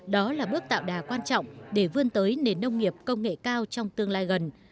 đó là bước tạo đà quan trọng để vươn tới nền nông nghiệp công nghệ cao trong tương lai gần